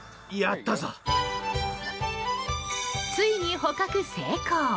ついに捕獲成功。